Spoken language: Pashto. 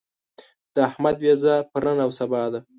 د احمد وېزه پر نن او سبا ده.